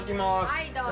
はいどうぞ。